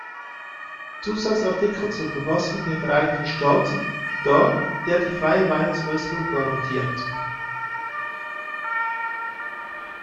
Zusatzartikel zur Verfassung der Vereinigten Staaten dar, der die Freie Meinungsäußerung garantiert.